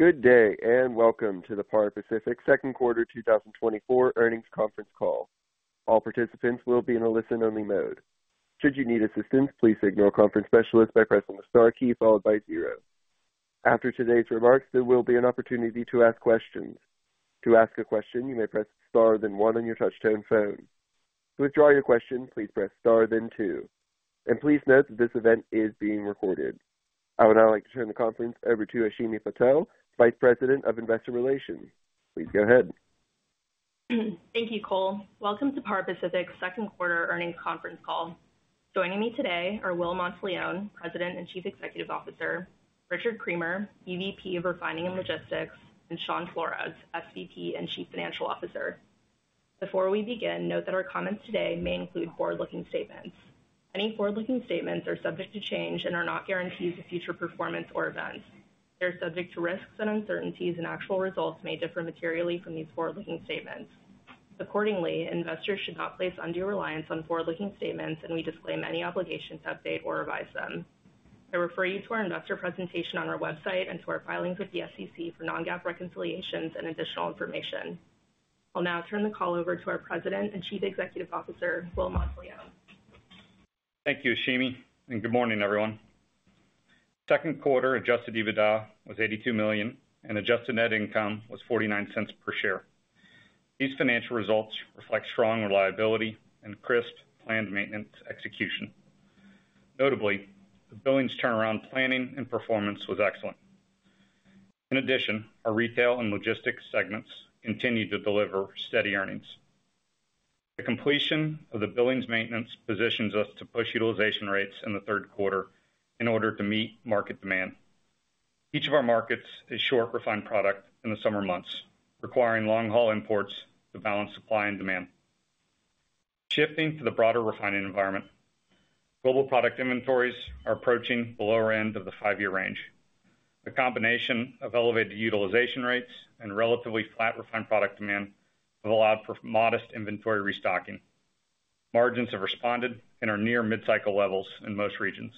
Good day and welcome to the Par Pacific Q2 2024 Earnings Conference Call. All participants will be in a listen-only mode. Should you need assistance, please signal "Conference Specialist" by pressing the star key, followed by zero. After today's remarks, there will be an opportunity to ask questions. To ask a question, you may press the star then one on your touch-tone phone. To withdraw your question, please press star then two. Please note that this event is being recorded. I would now like to turn the conference over to Ashimi Patel, Vice President of Investor Relations. Please go ahead. Thank you, Cole. Welcome to Par Pacific Q2 Earnings Conference Call. Joining me today are Will Monteleone, President and Chief Executive Officer; Richard Creamer, EVP of Refining and Logistics; and Shawn Flores, SVP and Chief Financial Officer. Before we begin, note that our comments today may include forward-looking statements. Any forward-looking statements are subject to change and are not guarantees of future performance or events. They are subject to risks and uncertainties, and actual results may differ materially from these forward-looking statements. Accordingly, investors should not place undue reliance on forward-looking statements, and we disclaim any obligations to update or revise them. I refer you to our investor presentation on our website and to our filings with the SEC for non-GAAP reconciliations and additional information. I'll now turn the call over to our President and Chief Executive Officer, Will Monteleone. Thank you, Ashimi, and good morning, everyone. Q2 Adjusted EBITDA was $82 million, and adjusted net income was $0.49 per share. These financial results reflect strong reliability and crisp planned maintenance execution. Notably, the Billings turnaround planning and performance was excellent. In addition, our retail and logistics segments continue to deliver steady earnings. The completion of the Billings maintenance positions us to push utilization rates in the Q3 in order to meet market demand. Each of our markets is short refined product in the summer months, requiring long-haul imports to balance supply and demand. Shifting to the broader refining environment, global product inventories are approaching the lower end of the 5 year range. The combination of elevated utilization rates and relatively flat refined product demand have allowed for modest inventory restocking. Margins have responded and are near mid-cycle levels in most regions.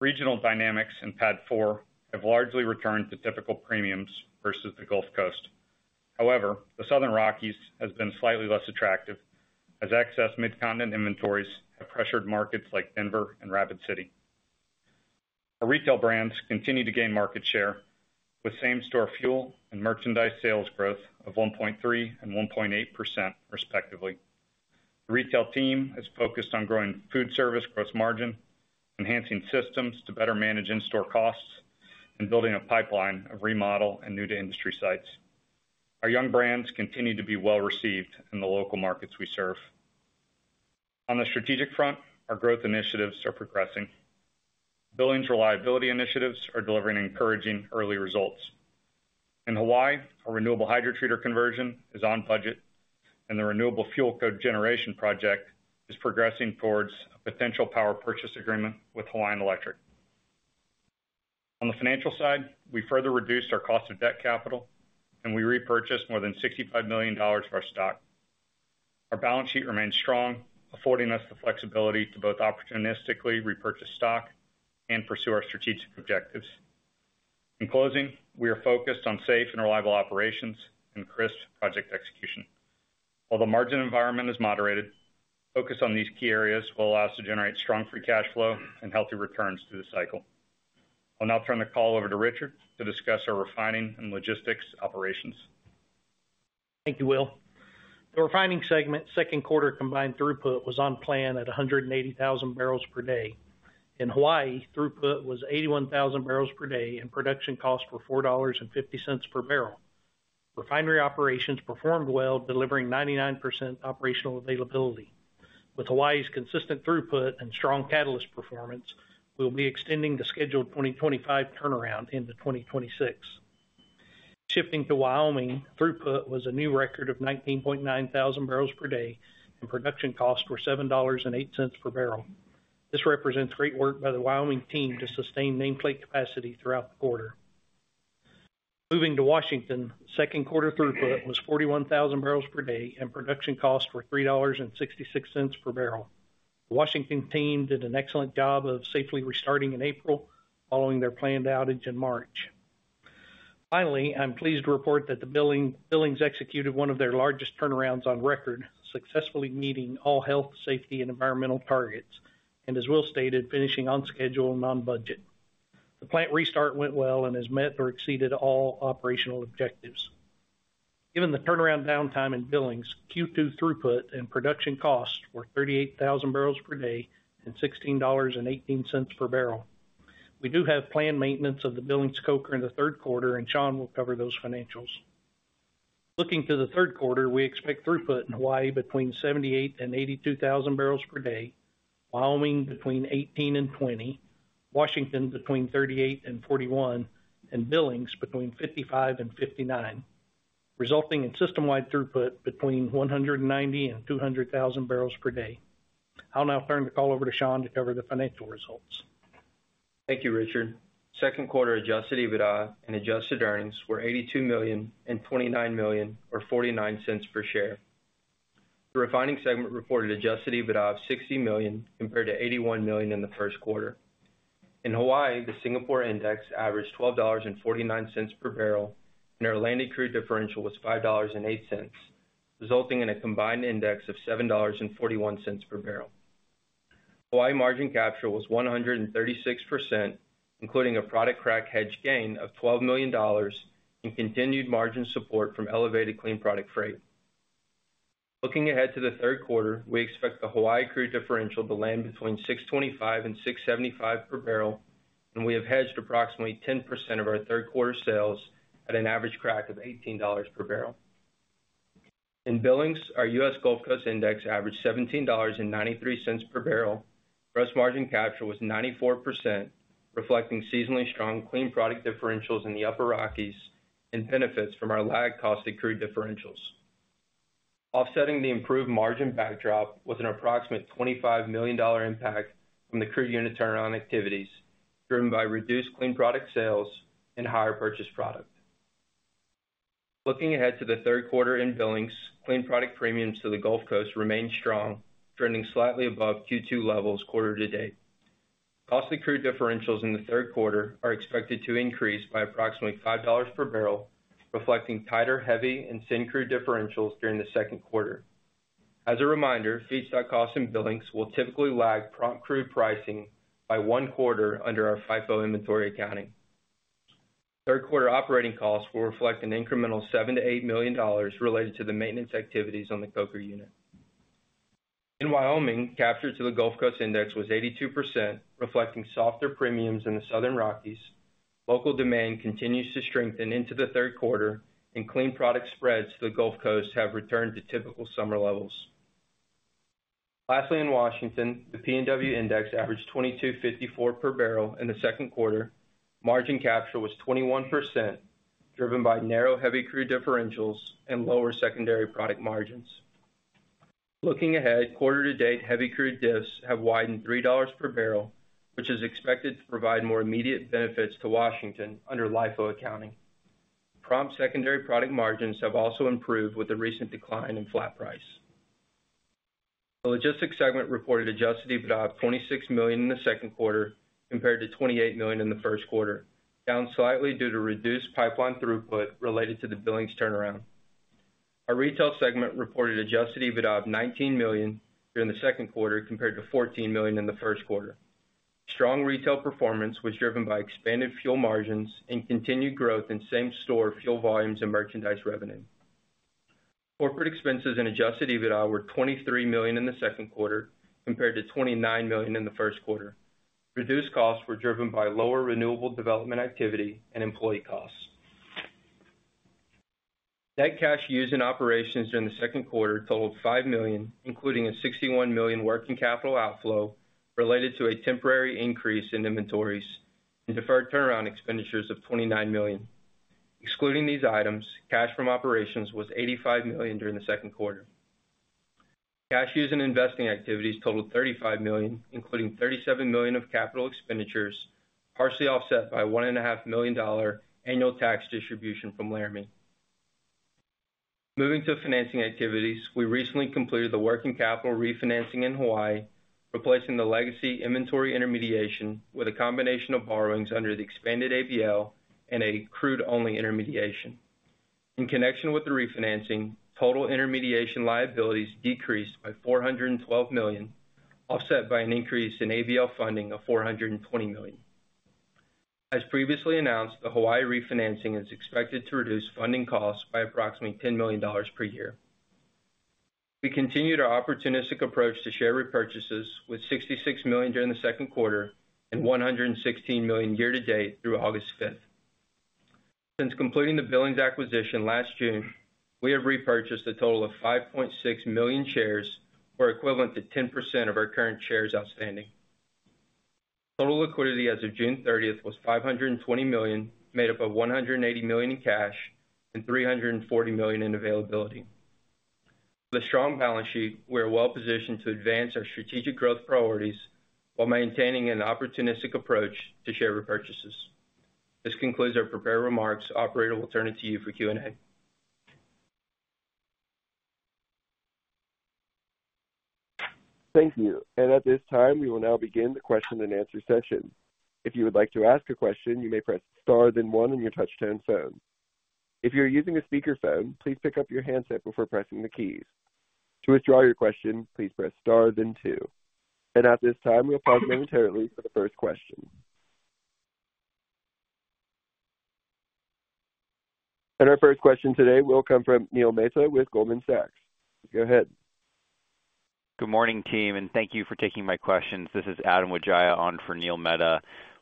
Regional dynamics in PADD-4 have largely returned to typical premiums versus the Gulf Coast. However, the Southern Rockies has been slightly less attractive as excess Midcontinent inventories have pressured markets like Denver and Rapid City. Our retail brands continue to gain market share with same-store fuel and merchandise sales growth of 1.3% and 1.8%, respectively. The retail team is focused on growing food service gross margin, enhancing systems to better manage in-store costs, and building a pipeline of remodel and new-to-industry sites. Our young brands continue to be well received in the local markets we serve. On the strategic front, our growth initiatives are progressing. Billings reliability initiatives are delivering encouraging early results. In Hawaii, our renewable hydrotreater conversion is on budget, and the renewable fuel cogeneration project is progressing towards a potential power purchase agreement with Hawaiian Electric. On the financial side, we further reduced our cost of debt capital, and we repurchased more than $65 million of our stock. Our balance sheet remains strong, affording us the flexibility to both opportunistically repurchase stock and pursue our strategic objectives. In closing, we are focused on safe and reliable operations and crisp project execution. While the margin environment is moderated, focus on these key areas will allow us to generate strong free cash flow and healthy returns through the cycle. I'll now turn the call over to Richard to discuss our refining and logistics operations. Thank you, Will. The refining segment Q2 combined throughput was on plan at 180,000 barrels per day. In Hawaii, throughput was 81,000 barrels per day, and production costs were $4.50 per barrel. Refinery operations performed well, delivering 99% operational availability. With Hawaii's consistent throughput and strong catalyst performance, we will be extending the scheduled 2025 turnaround into 2026. Shifting to Wyoming, throughput was a new record of 19,900 barrels per day, and production costs were $7.08 per barrel. This represents great work by the Wyoming team to sustain nameplate capacity throughout the quarter. Moving to Washington, Q2 throughput was 41,000 barrels per day, and production costs were $3.66 per barrel. The Washington team did an excellent job of safely restarting in April, following their planned outage in March. Finally, I'm pleased to report that the Billings executed one of their largest turnarounds on record, successfully meeting all health, safety, and environmental targets, and, as Will stated, finishing on schedule and on budget. The plant restart went well and has met or exceeded all operational objectives. Given the turnaround downtime in Billings, Q2 throughput and production costs were 38,000 barrels per day and $16.18 per barrel. We do have planned maintenance of the Billings coker in the Q3, and Shawn will cover those financials. Looking to the Q3, we expect throughput in Hawaii between 78,000 and 82,000 barrels per day, Wyoming between 18,000 and 20,000, Washington between 38,000 and 41,000, and Billings between 55,000 and 59,000, resulting in system-wide throughput between 190,000 and 200,000 barrels per day. I'll now turn the call over to Shawn to cover the financial results. Thank you, Richard. Q2 adjusted EBITDA and adjusted earnings were $82 million and $29 million, or $0.49 per share. The refining segment reported adjusted EBITDA of $60 million compared to $81 million in the Q1. In Hawaii, the Singapore index averaged $12.49 per barrel, and our landing crude differential was $5.08, resulting in a combined index of $7.41 per barrel. Hawaii margin capture was 136%, including a product crack hedge gain of $12 million and continued margin support from elevated clean product freight. Looking ahead to the Q3, we expect the Hawaii crude differential to land between $6.25 and $6.75 per barrel, and we have hedged approximately 10% of our Q3 sales at an average crack of $18 per barrel. In Billings, our U.S. Gulf Coast index averaged $17.93 per barrel. Gross margin capture was 94%, reflecting seasonally strong clean product differentials in the Upper Rockies and benefits from our lag cost of crude differentials. Offsetting the improved margin backdrop was an approximate $25 million impact from the crude unit turnaround activities, driven by reduced clean product sales and higher purchase product. Looking ahead to the Q3 in Billings, clean product premiums to the Gulf Coast remain strong, trending slightly above Q2 levels quarter to date. Cost of crude differentials in the Q3 are expected to increase by approximately $5 per barrel, reflecting tighter heavy and light crude differentials during the Q2. As a reminder, feedstock costs in Billings will typically lag prompt crude pricing by one quarter under our FIFO inventory accounting. Q3 operating costs will reflect an incremental $7 million to 8 million related to the maintenance activities on the coker unit. In Wyoming, capture to the Gulf Coast index was 82%, reflecting softer premiums in the Southern Rockies. Local demand continues to strengthen into the Q3, and clean product spreads to the Gulf Coast have returned to typical summer levels. Lastly, in Washington, the PNW index averaged 22.54 per barrel in the Q2. Margin capture was 21%, driven by narrow heavy crude differentials and lower secondary product margins. Looking ahead, quarter to date, heavy crude diffs have widened $3 per barrel, which is expected to provide more immediate benefits to Washington under LIFO accounting. Prompt secondary product margins have also improved with the recent decline in flat price. The logistics segment reported Adjusted EBITDA of $26 million in the Q2 compared to $28 million in the Q1, down slightly due to reduced pipeline throughput related to the Billings turnaround. Our retail segment reported adjusted EBITDA of $19 million during the Q2 compared to $14 million in the Q1. Strong retail performance was driven by expanded fuel margins and continued growth in same-store fuel volumes and merchandise revenue. Corporate expenses and adjusted EBITDA were $23 million in the Q2 compared to $29 million in the Q1. Reduced costs were driven by lower renewable development activity and employee costs. Net cash used in operations during the Q2 totaled $5 million, including a $61 million working capital outflow related to a temporary increase in inventories and deferred turnaround expenditures of $29 million. Excluding these items, cash from operations was $85 million during the Q2. Cash used in investing activities totaled $35 million, including $37 million of capital expenditures, partially offset by a $1.5 million annual tax distribution from Laramie. Moving to financing activities, we recently completed the working capital refinancing in Hawaii, replacing the legacy inventory intermediation with a combination of borrowings under the expanded ABL and a crude-only intermediation. In connection with the refinancing, total intermediation liabilities decreased by $412 million, offset by an increase in ABL funding of $420 million. As previously announced, the Hawaii refinancing is expected to reduce funding costs by approximately $10 million per year. We continued our opportunistic approach to share repurchases with $66 million during the Q2 and $116 million year to date through August 5th. Since completing the Billings acquisition last June, we have repurchased a total of 5.6 million shares, or equivalent to 10% of our current shares outstanding. Total liquidity as of June 30th was $520 million, made up of $180 million in cash and $340 million in availability. With a strong balance sheet, we are well positioned to advance our strategic growth priorities while maintaining an opportunistic approach to share repurchases. This concludes our prepared remarks. Operator will turn it to you for Q&A. Thank you. At this time, we will now begin the Q&A session. If you would like to ask a question, you may press star then 1 on your touch-tone phone. If you're using a speakerphone, please pick up your handset before pressing the keys. To withdraw your question, please press star then 2. At this time, we'll pause momentarily for the first question. Our first question today will come from Neil Mehta with Goldman Sachs. Go ahead. Good morning, team, and thank you for taking my questions. This is Adam Wijaya, on for Neil Mehta.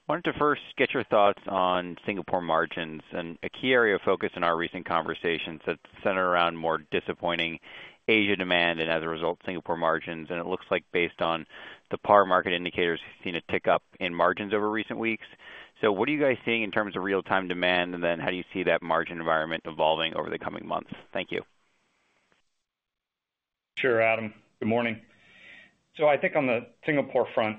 Wanted to first get your thoughts on Singapore margins, and a key area of focus in our recent conversations that's centered around more disappointing Asia demand and, as a result, Singapore margins. It looks like, based on the spot market indicators, we've seen a tick up in margins over recent weeks. So what are you guys seeing in terms of real-time demand, and then how do you see that margin environment evolving over the coming months? Thank you. Sure, Adam. Good morning. So I think on the Singapore front,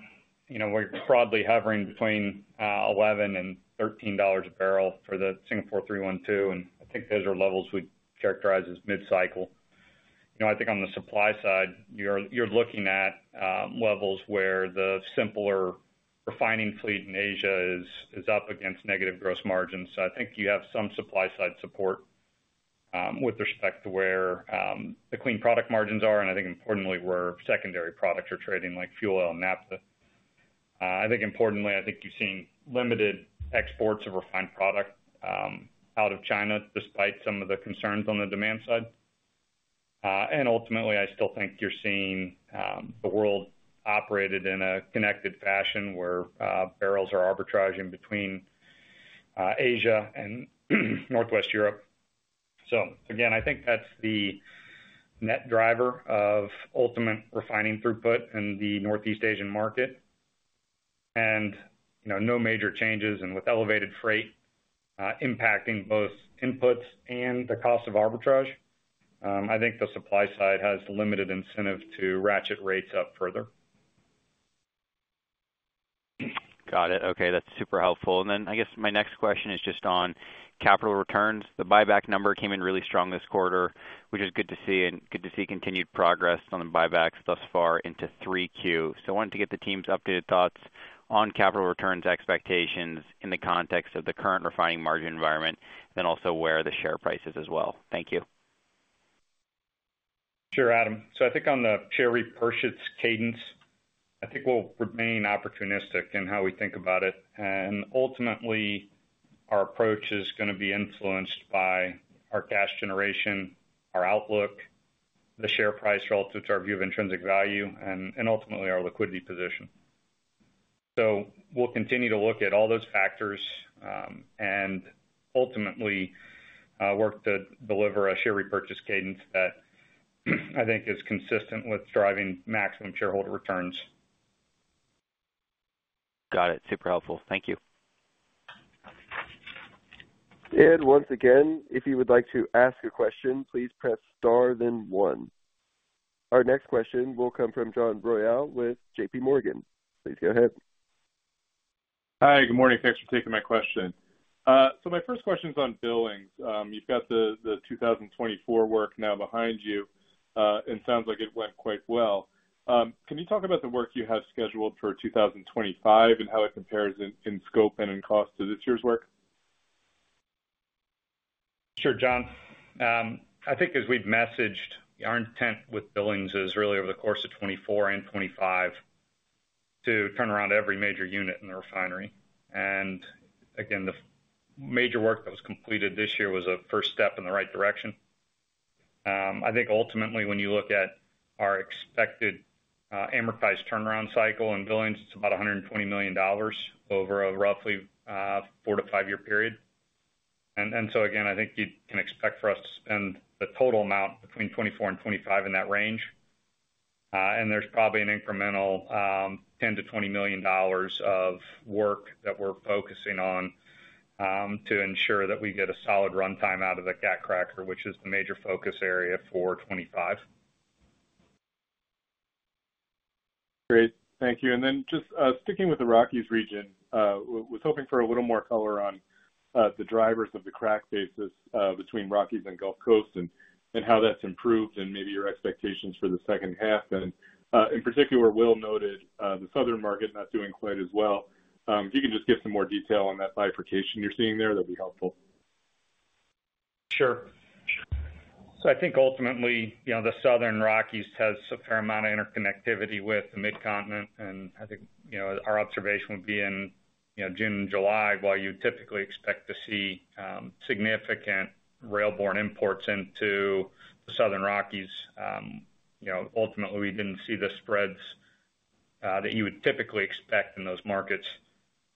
you know, we're probably hovering between $11 to $13 a barrel for the Singapore 3-1-2, and I think those are levels we'd characterize as mid-cycle. You know, I think on the supply side, you're looking at levels where the simpler refining fleet in Asia is up against negative gross margins. So I think you have some supply-side support with respect to where the clean product margins are, and I think, importantly, where secondary products are trading, like fuel oil and naphtha. I think, importantly, I think you've seen limited exports of refined product out of China, despite some of the concerns on the demand side. And ultimately, I still think you're seeing the world operated in a connected fashion where barrels are arbitraging between Asia and Northwest Europe. So again, I think that's the net driver of ultimate refining throughput in the Northeast Asian market. And, you know, no major changes, and with elevated freight impacting both inputs and the cost of arbitrage, I think the supply side has limited incentive to ratchet rates up further. Got it. Okay, that's super helpful. And then I guess my next question is just on capital returns. The buyback number came in really strong this quarter, which is good to see, and good to see continued progress on the buybacks thus far into Q3. So I wanted to get the team's updated thoughts on capital returns expectations in the context of the current refining margin environment, then also where the share prices as well. Thank you. Sure, Adam. So I think on the share repurchase cadence, I think we'll remain opportunistic in how we think about it. And ultimately, our approach is going to be influenced by our cash generation, our outlook, the share price relative to our view of intrinsic value, and ultimately our liquidity position. So we'll continue to look at all those factors and ultimately work to deliver a share repurchase cadence that I think is consistent with driving maximum shareholder returns. Got it. Super helpful. Thank you. Once again, if you would like to ask a question, please press star then one. Our next question will come from John Royall with JPMorgan. Please go ahead. Hi, good morning. Thanks for taking my question. My first question is on Billings. You've got the 2024 work now behind you, and it sounds like it went quite well. Can you talk about the work you have scheduled for 2025 and how it compares in scope and in cost to this year's work? Sure, John. I think as we've messaged, our intent with Billings is really over the course of 2024 and 2025 to turn around every major unit in the refinery. And again, the major work that was completed this year was a first step in the right direction. I think ultimately, when you look at our expected amortized turnaround cycle in Billings, it's about $120 million over a roughly 4 to 5 year period. And so again, I think you can expect for us to spend the total amount between 2024 and 2025 in that range. And there's probably an incremental $10 million to 20 million of work that we're focusing on to ensure that we get a solid runtime out of the cat-cracker, which is the major focus area for 2025. Great. Thank you. And then just sticking with the Rockies region, I was hoping for a little more color on the drivers of the crack basis between Rockies and Gulf Coast and how that's improved and maybe your expectations for the second half. And in particular, Will noted the Southern market not doing quite as well. If you can just give some more detail on that bifurcation you're seeing there, that'd be helpful. Sure. So I think ultimately, you know, the Southern Rockies has a fair amount of interconnectivity with the Midcontinent. And I think, you know, our observation would be in, you know, June and July while you typically expect to see significant railborne imports into the Southern Rockies. You know, ultimately, we didn't see the spreads that you would typically expect in those markets.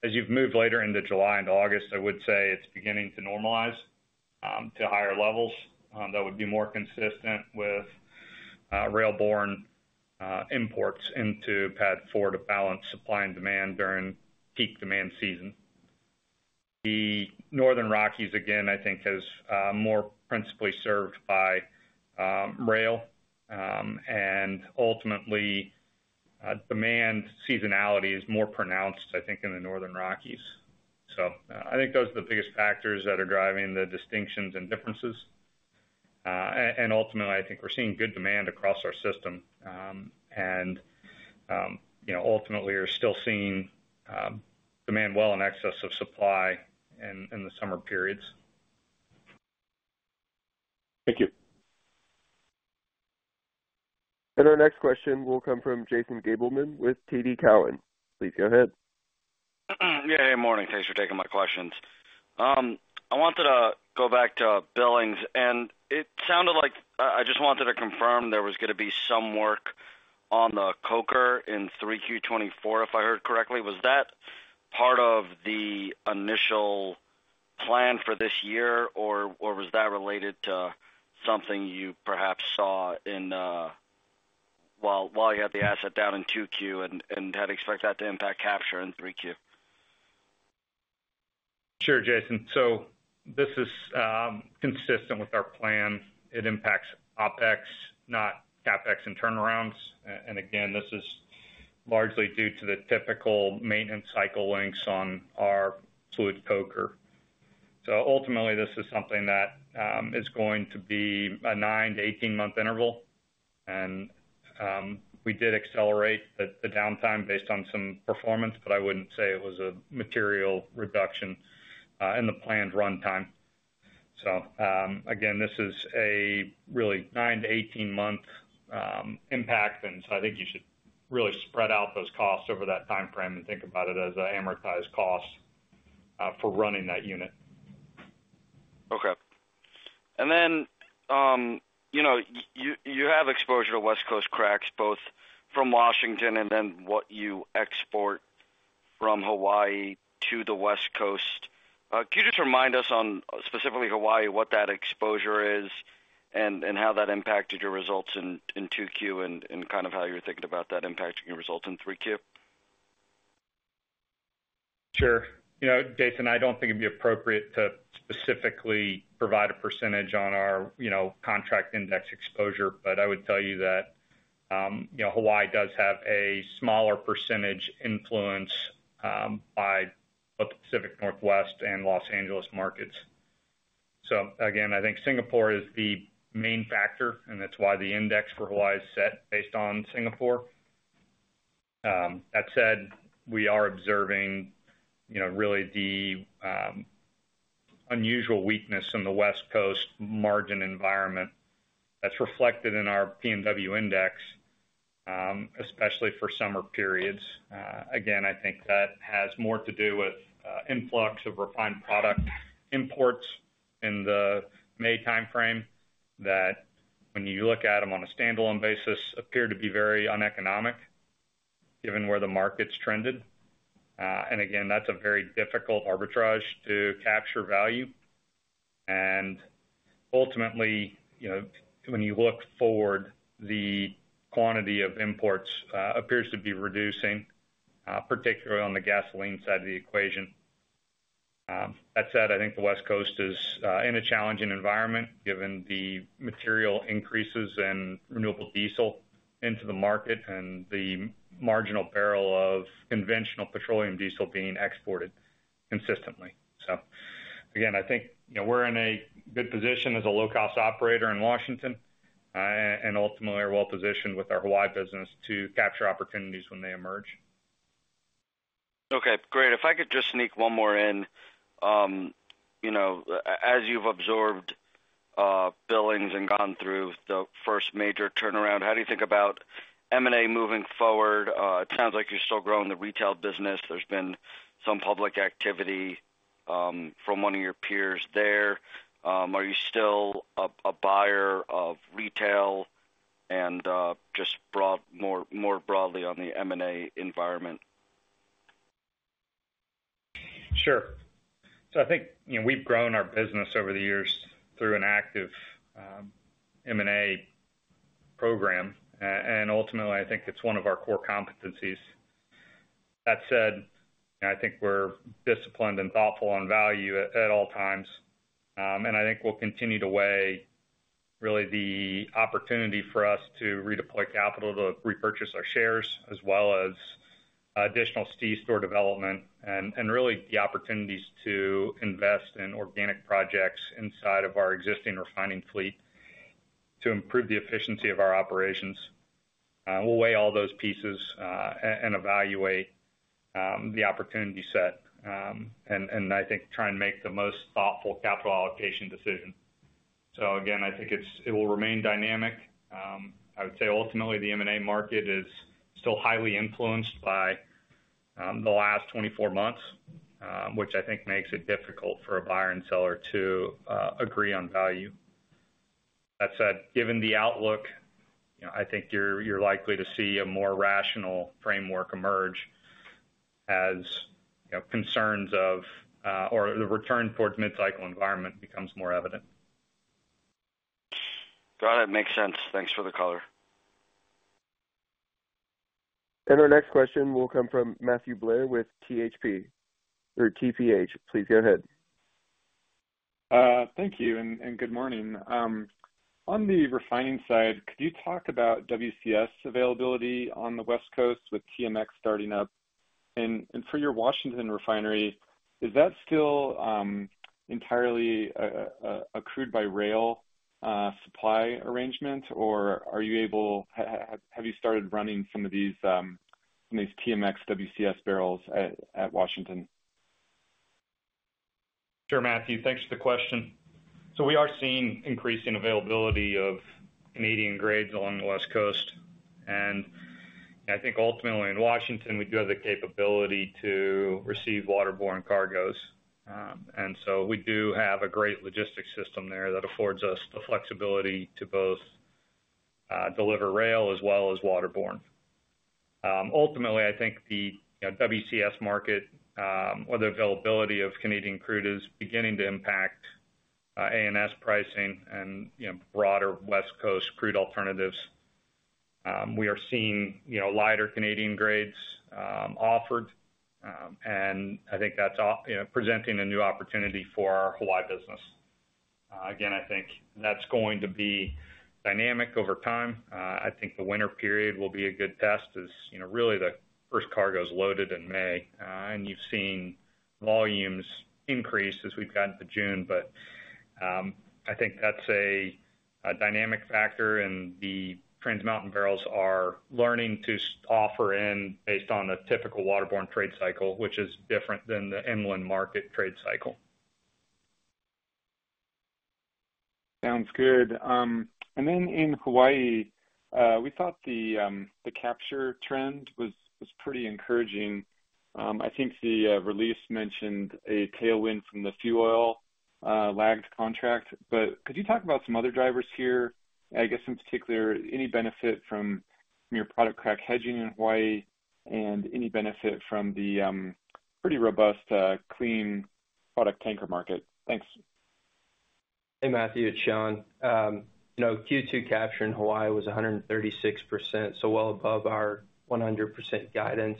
As you've moved later into July into August, I would say it's beginning to normalize to higher levels. That would be more consistent with railborne imports into PADD 4 to balance supply and demand during peak demand season. The Northern Rockies, again, I think, has more principally served by rail. And ultimately, demand seasonality is more pronounced, I think, in the Northern Rockies. So I think those are the biggest factors that are driving the distinctions and differences. Ultimately, I think we're seeing good demand across our system. You know, ultimately, you're still seeing demand well in excess of supply in the summer periods. Thank you. And our next question will come from Jason Gabelman with TD Cowen. Please go ahead. Yeah, good morning. Thanks for taking my questions. I wanted to go back to Billings. And it sounded like I just wanted to confirm there was going to be some work on the Coker in Q3 2024, if I heard correctly. Was that part of the initial plan for this year, or was that related to something you perhaps saw while you had the asset down in Q2 2024 and had to expect that to impact capture in Q3 2024? Sure, Jason. So this is consistent with our plan. It impacts OpEx, not CapEx and turnarounds. And again, this is largely due to the typical maintenance cycle lengths on our fluid coker. So ultimately, this is something that is going to be a 9 to 18 month interval. And we did accelerate the downtime based on some performance, but I wouldn't say it was a material reduction in the planned runtime. So again, this is a really 9 to 18 month impact. And so I think you should really spread out those costs over that time frame and think about it as an amortized cost for running that unit. Okay. And then, you know, you have exposure to West Coast cracks, both from Washington and then what you export from Hawaii to the West Coast. Can you just remind us on specifically Hawaii what that exposure is and how that impacted your results in Q2 and kind of how you're thinking about that impacting your results in Q3? Sure. You know, Jason, I don't think it'd be appropriate to specifically provide a percentage on our, you know, contract index exposure, but I would tell you that, you know, Hawaii does have a smaller percentage influence by the Pacific Northwest and Los Angeles markets. So again, I think Singapore is the main factor, and that's why the index for Hawaii is set based on Singapore. That said, we are observing, you know, really the unusual weakness in the West Coast margin environment that's reflected in our PNW index, especially for summer periods. Again, I think that has more to do with influx of refined product imports in the May time frame that, when you look at them on a standalone basis, appear to be very uneconomic given where the market's trended. And again, that's a very difficult arbitrage to capture value. And ultimately, you know, when you look forward, the quantity of imports appears to be reducing, particularly on the gasoline side of the equation. That said, I think the West Coast is in a challenging environment given the material increases in renewable diesel into the market and the marginal barrel of conventional petroleum diesel being exported consistently. So again, I think, you know, we're in a good position as a low-cost operator in Washington and ultimately are well positioned with our Hawaii business to capture opportunities when they emerge. Okay, great. If I could just sneak one more in, you know, as you've observed Billings and gone through the first major turnaround, how do you think about M&A moving forward? It sounds like you're still growing the retail business. There's been some public activity from one of your peers there. Are you still a buyer of retail and just broadly on the M&A environment? Sure. So I think, you know, we've grown our business over the years through an active M&A program. And ultimately, I think it's one of our core competencies. That said, I think we're disciplined and thoughtful on value at all times. And I think we'll continue to weigh really the opportunity for us to redeploy capital to repurchase our shares as well as additional retail store development and really the opportunities to invest in organic projects inside of our existing refining fleet to improve the efficiency of our operations. We'll weigh all those pieces and evaluate the opportunity set and I think try and make the most thoughtful capital allocation decision. So again, I think it will remain dynamic. I would say ultimately the M&A market is still highly influenced by the last 24 months, which I think makes it difficult for a buyer and seller to agree on value. That said, given the outlook, you know, I think you're likely to see a more rational framework emerge as, you know, concerns of or the return towards mid-cycle environment becomes more evident. Got it. Makes sense. Thanks for the color. Our next question will come from Matthew Blair with TPH. Please go ahead. Thank you and good morning. On the refining side, could you talk about WCS availability on the West Coast with TMX starting up? And for your Washington refinery, is that still entirely sourced by rail supply arrangement, or have you started running some of these TMX WCS barrels at Washington? Sure, Matthew. Thanks for the question. So we are seeing increasing availability of Canadian grades along the West Coast. And I think ultimately in Washington, we do have the capability to receive waterborne cargoes. And so we do have a great logistics system there that affords us the flexibility to both deliver rail as well as waterborne. Ultimately, I think the WCS market, or the availability of Canadian crude, is beginning to impact ANS pricing and, you know, broader West Coast crude alternatives. We are seeing, you know, lighter Canadian grades offered. And I think that's, you know, presenting a new opportunity for our Hawaii business. Again, I think that's going to be dynamic over time. I think the winter period will be a good test as, you know, really the first cargo's loaded in May. And you've seen volumes increase as we've gotten to June. But I think that's a dynamic factor. The Trans Mountain barrels are learning to offer in based on a typical waterborne trade cycle, which is different than the inland market trade cycle. Sounds good. And then in Hawaii, we thought the capture trend was pretty encouraging. I think the release mentioned a tailwind from the fuel oil lagged contract. But could you talk about some other drivers here? I guess in particular, any benefit from your product crack hedging in Hawaii and any benefit from the pretty robust clean product tanker market? Thanks. Hey, Matthew. It's Shawn. You know, Q2 capture in Hawaii was 136%, so well above our 100% guidance.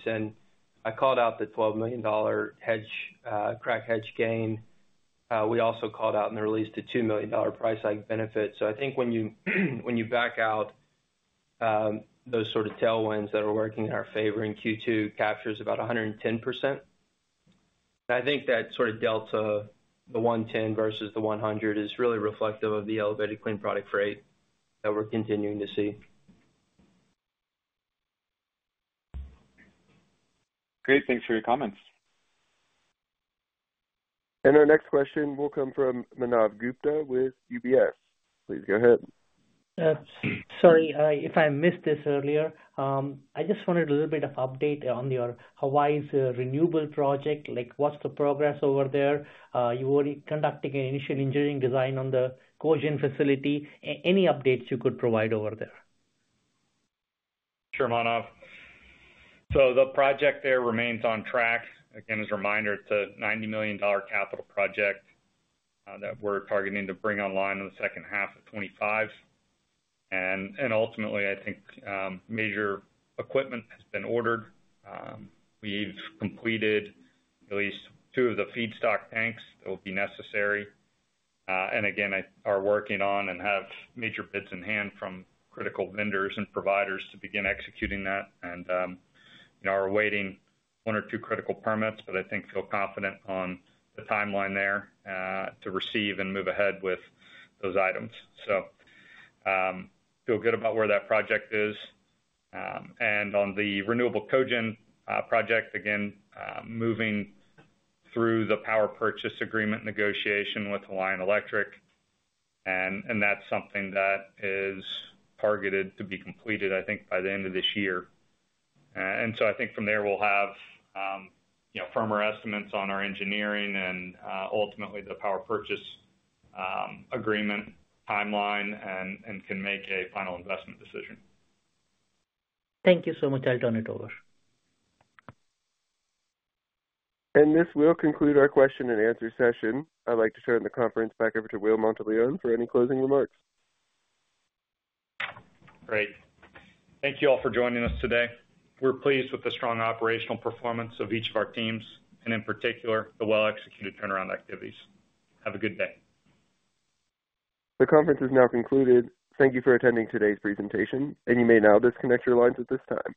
I called out the $12 million crack hedge gain. We also called out in the release the $2 million price hike benefit. So I think when you back out those sort of tailwinds that are working in our favor in Q2, capture is about 110%. I think that sort of delta, the 110% versus the 100%, is really reflective of the elevated clean product rate that we're continuing to see. Great. Thanks for your comments. Our next question will come from Manav Gupta with UBS. Please go ahead. Sorry, if I missed this earlier, I just wanted a little bit of update on your Hawaii's renewable project. Like, what's the progress over there? You were conducting an initial engineering design on the cogeneration facility. Any updates you could provide over there? Sure, Manav. So the project there remains on track. Again, as a reminder, it's a $90 million capital project that we're targeting to bring online in the second half of 2025. And ultimately, I think major equipment has been ordered. We've completed at least two of the feedstock tanks that will be necessary. And again, are working on and have major bids in hand from critical vendors and providers to begin executing that. And, you know, are awaiting one or two critical permits, but I think feel confident on the timeline there to receive and move ahead with those items. So feel good about where that project is. And on the renewable cogeneration project, again, moving through the power purchase agreement negotiation with Hawaiian Electric. And that's something that is targeted to be completed, I think, by the end of this year. And so I think from there, we'll have, you know, firmer estimates on our engineering and ultimately the power purchase agreement timeline and can make a final investment decision. Thank you so much. I'll turn it over. This will conclude our question and answer session. I'd like to turn the conference back over to Will Monteleone for any closing remarks. Great. Thank you all for joining us today. We're pleased with the strong operational performance of each of our teams and in particular the well-executed turnaround activities. Have a good day. The conference is now concluded. Thank you for attending today's presentation. You may now disconnect your lines at this time.